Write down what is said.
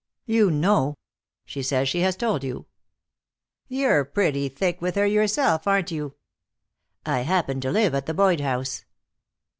"You know. She says she has told you." "You're pretty thick with her yourself, aren't you?" "I happen to live at the Boyd house."